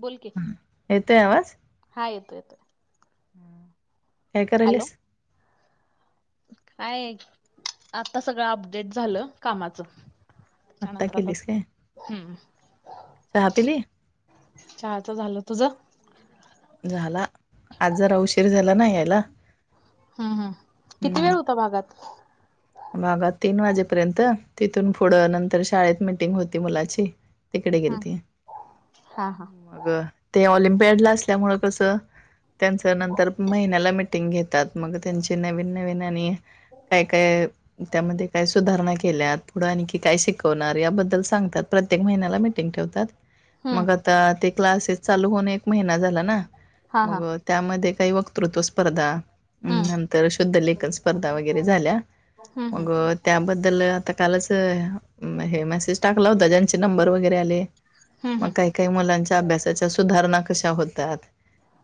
बोल की येतोय हा येतो येतोय. ह काय करा. हॅलो काय आता सगळं अपडेट झालं कामाचं. आत्ता त्याच्यानंतरात केलीस काय? हम्म. चहा पली चच झालं तुझं? झाला आज जरा उशीर झाला नाही यायला. ह् हम् किती वेळ होता भागात भाघा तीन वाजेपर्यंत तिथून पुढं नंतर शाळेत मिीटिंग होती मुलाची तिकडे हम्म गेलती हा हा अग ते ऑलिम्पियड ला असल्यामुळ कसं. त्यांचं नंतर महिन्याला मिटिंग घेतात मग त्यांची नवीन नवीन आणि काय काय? त्यामध्ये काय सुधारणा केल्या पुढं आणखी काय शिकवणार याबद्दल सांगतात प्रत्येक महिन्याला मी ठ म हम्म आ क्लास चालू हो एक महि झाला ना हा हा मग त्यामध्ये काही वक्तृत्व स्पर्धा हम्म नंतर शुद्धलेखन स्पर्धा वगैरे झाल्या. हम्म हम्म मगं त्याबद्दल आता कालच हे मेसेज टाकला होता ज्यांचे नंबर वगैरे आले. हम्म मग काही काही मुलांच्या अभ्यासाच्या सुधारणा कशा होतात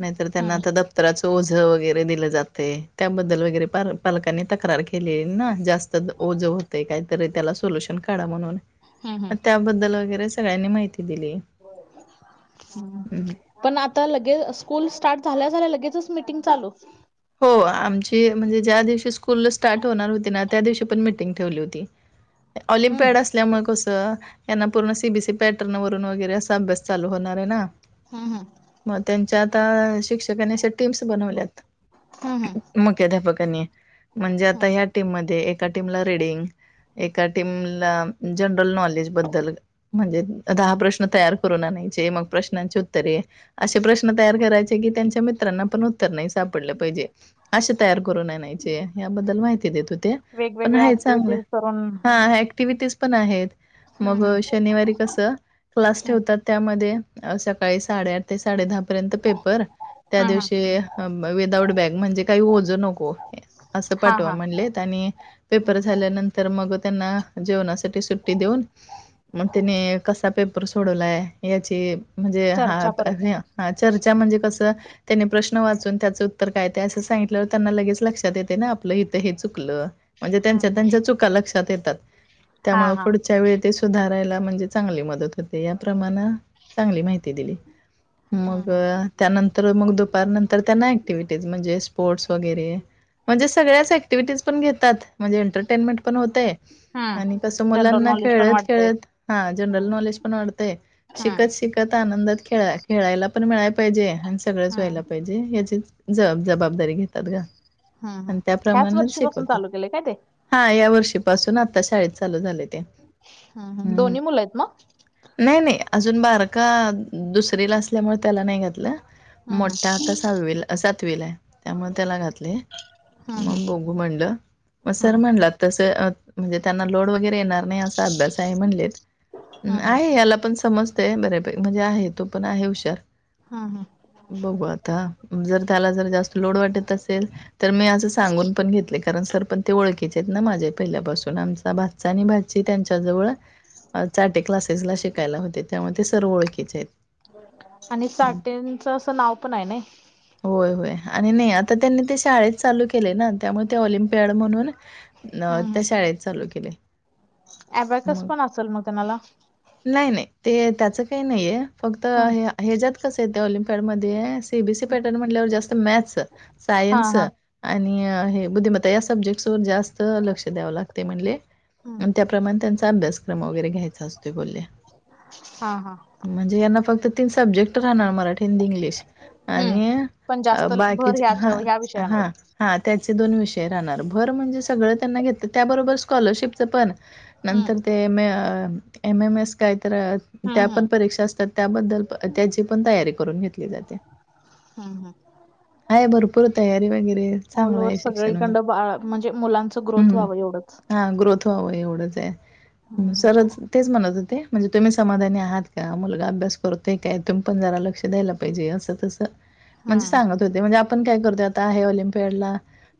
नाहीतर त्यांना हम्म आ त्राच ओझं वगैरे दिलं जाते त्याबद्दल वगैरे पालकांनी तक्रार केली ना जास्त. ओ होत कातरी त्या सोलुशन काढ म्हणून हम्म हम्म त्याबद्दल वगरे. सगळ्यांनी माहिती दिली. हम्. पण आता लगेच स्कूल स्टार्ट झाल्या झाल्या लगेचच मिीटिंग चालू. हो आमची म्हणजे ज्या दिवशी स्कूल स्टार्ट होणार होती ना त्या दिवशी पण मिीटिंग ठेवली होती. हम्म ऑलिम्पिड अस. असल्यामुळे कसं यांना पूर्ण सीबीसी पॅटर्न वरून वगैरे असा अभ्यास चालू होणार आहे ना. हम हम. मग त्यांच्या आता शिक्षकांनी अशा टीम्स बनवल्यात. हम्म हम्म मुख्याध्यापकांनी म्हणजे आता हम्म. ह टीम म एका टीमला रीडिंग. एका टीमला जनरल नॉलेज बद्दल म्हणजे दहा प्रश्न तयार म प्रश्नाचे उत्तरे असे प्रश्न तयार कराय. त्यांच्या मित्रांना पण उत्तर नाही सापड. पाहिजे. असे तयार करून नय. [unintelligible] पण वेगवेगळ्या ऍक्टिव्हिटीज करून आहेत हम्म मग हम्म शनिवारी कस क्लास हम्म ठेवतात त्यामध्ये सकाळी साडेआठ ते साडे दहा पर्यंत पेपर त्या हम्म हम्म. दिवशी. बग म्हणजे काही नको अस हा पाठवा हा म्हण आणि पेपर हम्म झाल्यानंतर मग त्यांना जेवणासाठी सुट्टी देऊन मग त्याने कसा पेपर सोडवलाय याची म्हणजे हा चर्चा परत चर्चा म्हणजे कस त्याने प्रश्न वाचून त्याच तर काय तेय असं सांगितल्यावर त्यांना लगेच लक्षात येते ना आपलं इथं हे चुकलं म्हणजे हम्म त्यांच्या हम्म त्यां च लक्षात यात हा त्यामुळे हा च्या वेळी ते सुधारायला म्हणजे चांगली मदत होते याप्रमाणे चांगली माहिती दिली. हम्म मग हम्म. त्यानंतर मग दुपार नंतर त्यांना. क्टिव्हिटीज म्हणजे स्पोर्ट्स वगैरे म्हणजे सगळ्याच ऍक्टिव्हटीज पण घेतात. म्हणजे एंटरटेनमेंट पण होते. आणि कसं हम्म जनरल मुलांना नॉलेज पण खेळत वाढतंय खेळत हा जनरल हम्म. नॉलेज पण वाढतंय हम्म शिकत शिक आनंदात खेळा खेळायला पण मिळायला पाहिजे आणि सगळंच व्हायला हम्म पाहिजे हचे ज जबाबदारी घेतात ग हम्म हम्म आणि ह्याच त्याप्रमाणेच वर्षीपासून शिकवतात. चालू केलंय काय ते हा या वर्षीपासून आता शाळेत चालू झाले ते. ह हम्म. दोन्ही मुलं आहेत म नाही नाही अजून बारका दुसरीला असल्यामुळे त्याला नाही घातलं. हम्म मोठा आता स सातवीला आहे त्यामुळे त्याला घातले हम्म मग ब हम्म र हम्म म्ह त्यांना लोडरणार अस हम्म म्ह हम्म या पण सम ते बर म्हणजे आहे तो पण आहे हुशार हा हा. बघू आता जर त्याला जर जास्त लोड वाटत असेल तर मी असं सांगून पण घेतले. कारण सर पण ते ओळखीचे आहेत ना माझे पहिल्यापासून आमचा भात च आणी भाजी त्यांच्याजवळ. अ चाटे क्लासेस ला शिकायला होते. त्यामुळे ते सर ओळखीचे येत. आणि चाटेंचं असं नाव पण हाय नय होय होय. आणि नय आता त्यांनी ते शाळेत चालू केलय ना त्यामुळे ते ऑलिम्पियड म्हणून नाव हम्म त्या हम्म शाळेत चालू केले. अबॅकस पण असल म त्यामला नाय नाय ते त्याच काही नाहीये. फक्त हम्म हे ह्यज्यात कस येत ऑलिम्पिडमध्ये C B C E pattern म्हटल्यावर जास्त मॅथ्स हा सायन्स हा आणि हे बुद्धिमत्ता या सब्जेक्ट वर जास्त चं लक्ष द्याव लागतय म्हणले. हम्म आणि त्याप्रमाणे त्यांचा अभ्यासक्रम वगैरे घ्यायचा असतोय बोलले. हा हा. म्हणजे यांना फक्त तीन सब्जेक्ट राहणार मराठी हिंदी इंग्लिश. हम्म आणि पण जास्त भर बाकीचे ह्याच्या हा ह्या हा विषयांवर हा त्याचे दोन विषय राहणार भर म्हणजे सगळं त्यांना घेत त्याबरोबर स्कॉलरशिपचं पण हम्म नंतर ते मे एम एम एस काय तर अ त्या हम्म हम्म पण परीक्षा असतात त्याबद्दल त्याची पण तयारी करून घेतली जाते. हम्म हम्म हाय भरपूर तयारी वगैरे ऑल चांगलं ओव्हर हाय शिक्षण वगैरे सगळीकंड बाळ म्हणजे मुलांचं ग्रोथ हम्म व्हावं एवढंच हा ग्रोथ व्हावं एवढंच आहे. हम्म सर तेच म्हणत होते. म्हणजे तुम्ही समाधानी आहात का? मुलगा अभ्यास करतोय काय? तुम्ही पण जरा लक्ष द्यायला पाहिजे असं तसं म्हणजे हम्म सांगत होते. म्हणजे आपण काय करतोय आता हे ऑलिम्पियडला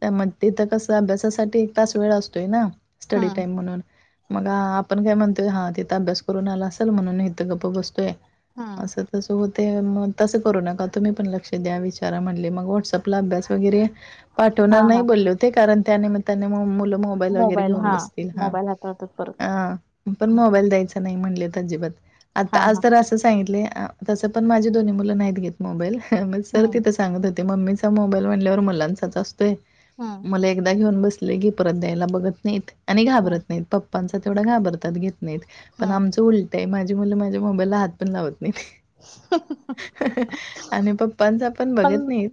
त्या मध्ये त कस अभ्यासासाठी एक तास वेळ असतोय ना स्टडी हम्म टाइम म्हणून मग आ आपण काय म्हणतोय, हा तिथ अभ्यास करून आला असल म्हणून इथं गप्प बसतोय हम्म असं तसं होतय म तसं करू नका तुम्ही पण लक्ष द्या विचारा म्हणले मग व्हॉट्सअपला अभ्यास वगैरे पाठवणार हा हा नाही बोलले होते. कारण त्यानमित्ताने म मुलं मोबाईल वगैरे घेऊन हा बसतील हा मोबाईल हाताळतात परत आ पण हं, मोबाईल द्यायचा नाही म्हणलेत अजिबात आता हा आज हा तर असं सांगितलंय अ तसं पण माझी दोन्ही मुलं नाहीत घेत मोबाईल. म सर हम्म तिथचं सांगत होते. मम्मीचा मोबाईल म्हणल्यावर मुलांचाचं असतोय. हम्म मुल एकदा घेऊन बसली ली की परत द्यायला बघत नाहीत. आणि हम्म घाबरत नाहीत. पप्पांच तेवढा घाबरतात घेत नाहीत पण हम्म आमचं उल टय माझी मुलं माझ्या मोबाईलला हात पण लावत नाहीत. [unintelligible] आणि पप्पांचा पण बघत नाहीत.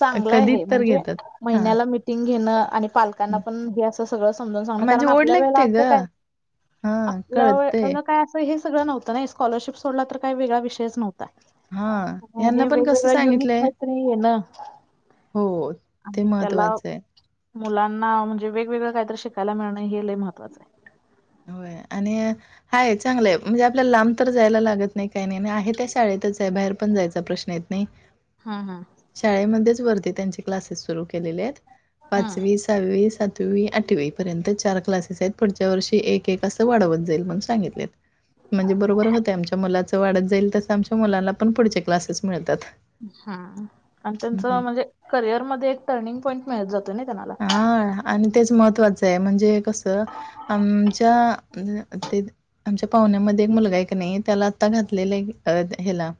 चांगलं कधी हाय ये तर म्हणजे घेतात हा महिन्याला मिटिंग घेणं आणि पालकांना पण हे अस सगळं समजावून सांगणं माझी कारण ओढ आपल्या वेळेला लागते ग. अस काय हा आपल्याला कळतय वेळेला काय अस त हे सगळं नव्हंत नाय स्कॉलरशिप सोडला तर काय वेगळा विषयच नव्ह ता हा यांना म्हणजे पण कसं वेगवेगळा युनिकं सांगितलंय कायतरी ये ना हो, ते आणि त्याला महत्वाचं आहे. मुलांना म्हणजे वेगवेगळं कायतरी शिकायला मिळणं हे लय महत्वाचंय. होय आणि हाय चांगलंय म्हणजे आपल्याला लांब तर जायला लागत नाय काय नाय आणि आहे त्या शाळेतच आहे बाहेर पण जायचा प्रश्न येत नाय. हा हा- शाळेमध्येच वरती त्यांचे क्लासेस सुरू केलेले येत हम्म पाचवी सहावी सातवी आठवीपर्यंत चार क्लासेस आहेत पुढच्या वर्षी एक एक असं वाढवत जाईल म्हण सांगितलेत म्हणजे बरोबर होतय आमच्या मुलाच वाढत जाईल तस आमच्या मुलांना पण पुढचे क्लासेस मिळतात. हा आणि त्यांच हं. म्हणजे करिअर मध्ये एक टर्निंग पॉईंट मिळत जातो नाय त्यांनाला हा आणि तेच महत्त्वाचं आहे. म्हणजे कसं आमच्या अ ते त आमच्या पाहुण्यामध्ये एक मुलगा हाय क नाय त्याला आत्ता घातलेलय अ हेला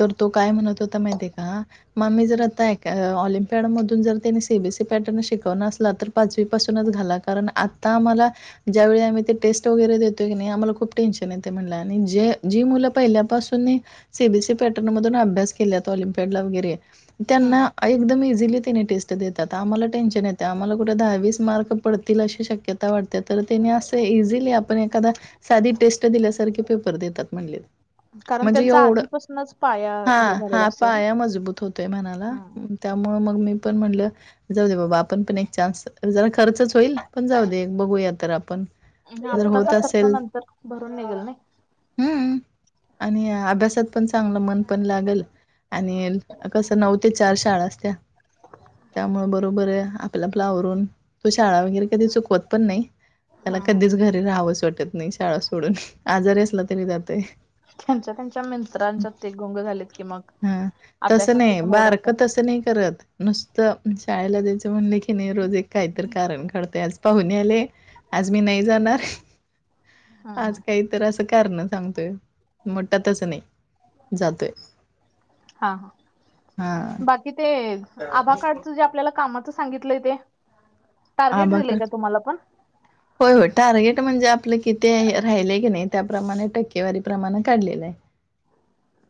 तर तो काय म्हणत होता माहितीय का? मम्मी जर आता ऑलिमपियाड मधून जर त्यानी सीबीएससी ते पॅटर्न शिकवणार असला तर पाचवी पासूनच घाला कारण आता आम्हाला ज्यावेळी आम्ही ते टेस्ट वगैरे देतोय की नाही आम्हाला खूप टेन्शन येतंय म्हटलं आणि ज जी मुलं पहिल्या पासुनी सीबीएससी पॅटर्न मधून अभ्यास केल्यात ओलंपियाडला वगैरे. त्यांना हम्म एकदम इझिली त्याने टेस्ट देत त्यात आम्हाला टेन्शन येते आम्हाला कुठे दहा वीस मार्क पडतील अशी शक्यता वाटते तर त्याने असं इझिली आप पण एखादा साधी टेस्ट दिल्यासारखे पेपर देतात म्हणले. कारण म्हणजे त्यांचा एवढं आधीपासूनच पाया हा हे झालेला हा असतोय ना पाया मजबूत होतोय म्हणाला. हम्म त्यामुळं मग मी पण म्हणलं जाऊ दे बाबा आपण पण एक चा्स ज खर्चच होईल पण जाऊ दे बघूया तर आपण म्हणजे जर होत आत्ताचा खर्च असेल नंतर भरून निघेल नाही? हम्म आणि अभ्यासात पण चांगलं मन पण लागेल. आणि कसं नऊ ते चार शाळा असत्या. त्यामुळे बरोबर आहे आपल्या आपलावरून तो शाळा वगैरे कधी चुकवत पण नाही. त्याला हा कधीच घरी राहावंच वाटत नाही शाळा सोडून. आजारी असला तरी जातय. त्यांच्या त्यांच्या मित्रांच्या ते गुंग झालेत की मग हां. तसं अभ्यासाची नाही, पण ओढ असत्या. बारकं तसं नाही करत. नुसतं शाळेला जायचं म्हणले की नाही रोज एक काहीतरी कारण घडते आज पाहुूने आले, आज मी नाही जाणार हा आज हा काही तर असं कारण सांगतोय. मोठा तस नाही जातोय. हा हां. ह बाकी ते आभा कार्डच जे आपल्याला कामाचं सांगितलंय ते? टार्गेट दिलंय आबाकर का तुम्हाला पण होय हो टार्गेट म्हणजे आपलं किती राहिलेय की नाही त्याप्रमाणे टक्केवारी प्र्रमाणे काढलेलं आहे.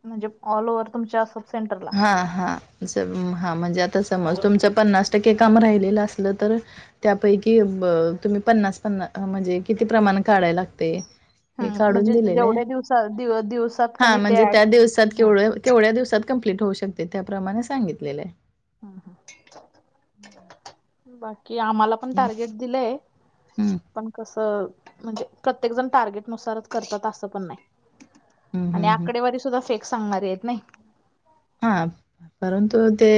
म्हणजे कॉल वर तुमच्या सेंटर हा हा हा म्हणजे आता समज तुमचं पन्नास टक्के काम राहिलेलं असलं तर त्यापैकी तुम्ही पन्नास पन्नास म्हणजे किती प्रमाण काढाय लागते? हे हम्म, काढून म्हणजे दिलेलं आहे. जेवढ्या दिवसा दिव दिवसात हा कणी ते म्हणजे ऍड त्या दिवसात हा केवढं केवढ्या दिवसात कंप्लीट होऊ शकते त्याप्रमाणे सांगितलेले आहे. हम हा. बाकी आम्हाला पण मग टार्गेट दिलंय हम्म पण कस? म्हणजे प्रत्येक जण टार्गेट नुसार करतात असं पण नाही हम्म आणि हम्म हम्म. आकडेवारी सुद्धा फेक सांगणारी आहेत नाही. हा परंतु ते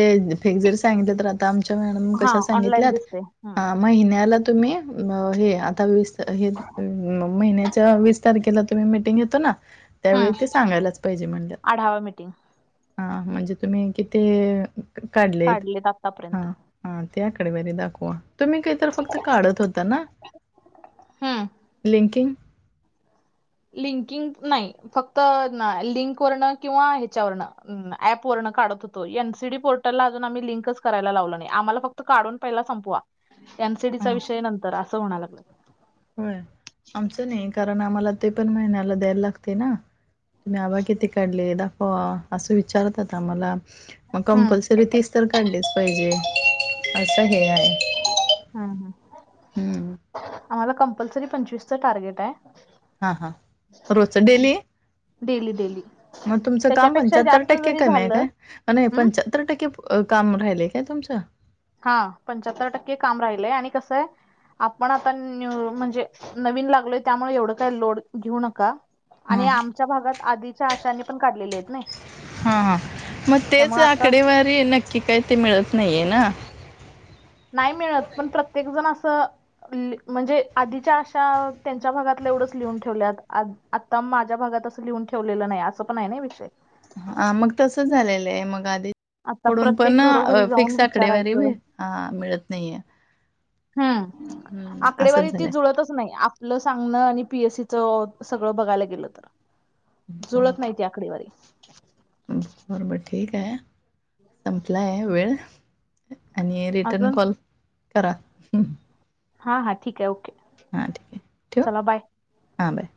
फेक जरी सांगितले तर आ आमच्या मॅडम हा कशा ऑनलाईन सांगितल्यात दिसते हम्म महिन्याला तुम्ही आ हे आता वीस हे महिन्याच्या वीस तारखेला तुम्ही मिटिंग घेतो ना. हम्म त्यावेळी ते सांगायलाच पाहिजे म्हणालात. [inaudible] हा म्हणजे तुम्ही किती काढलेत? हा. हा त्याकडे वरी दाखवा तुम्ही काहीत फक्त काढत होता ना. हम्म. लिंकिंग लिंकिंग नाही फक्त ना लिंकवरनं किंवा ह्याच्यावरनं अँप वर्ण काढत होतो. एनसीडी पोर्टलला अजून आम्ही लिंकच करायला लावल नाही. आम्हाला फक्त त काढून पहिला संपवा. एनसीडीच्या हा विषय नंतर असं होणार होय आमचं नाही कारण आम्हाला ते पण महिन्याला द्यायला लागते ना. तुम्ही आबा किती काढले दाखवा असं विचारत आात आम्हाला? मग हम्म कंपल्सरी तीस तर काढलीच पाहिजे असं हे आहे. ह हम्म आम्हाला कंपल्सरी पंचवीसच टार्गेट आहे. हां हां. Daily daily. मग तुमचं काम त्याच्यापेक्षा पंच्याहत्तर जास्त टक्के जरी कमी आहे झालं काय अ हम्म पंर सतर टक्के काम राहिले काय तुमच? हा पंच्याहत्तर टक्के काम राहिलय आणि कसंय आपण आता न म्हणजे नवीन लागलोय त्यामुळे एवढं काय लोड घेऊ नका. आणि हां आमच्या भागात आधीच्या आशा नी पण काढलेले आहेत ना. हा हा मग तेच आकडेवारी नक्की काही ते मिळत नाहीये ना. नाही मिळत पण प्रत्येक जण असं. म्हणजे आधीच्या आशा त्यांच्या भागातलं एवढंच लिहून ठेवल्यात. आत्ता माझ्या भागात असं लिहून ठेवलेलं नाही असं पण आहे ना विषय. हा मग तसच झालेलं आहे मग आधी. आता पुढून पण प्रत्येक घरोघरी जाऊन फिक्स आकडेवारी विचारायचं हा मिळत नाहीये. हम्म हम्म आकडेवारी असंच ती झालंय जुळतच नाही. आपलं सांगणं आणि पीएससी च सगळं बघायला गेलं तर जुळत नाही ती आकडीवारी. बरोबर ठीक आहे संपलाय वेळ. आणि रिटर्न अजून कॉल करा. हा हा ठीक आहे ओके हां ठीक आहे ठेवू चला बाय. हां बाय.